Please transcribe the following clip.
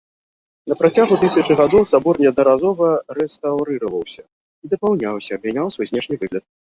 На працягу тысячы гадоў сабор неаднаразова рэстаўрыраваўся і дапаўняўся, мяняў свой знешні выгляд.